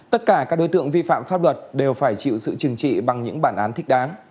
tất cả các đối tượng vi phạm pháp luật đều phải chịu sự chừng trị bằng những bản án thích đáng